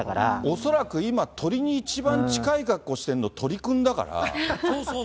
恐らく今、鳥に一番近い格好してるの、鳥くんだから。